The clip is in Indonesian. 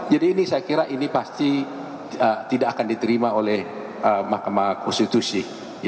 jadi ini saya kira ini pasti tidak akan diterima oleh mahkamah konstitusi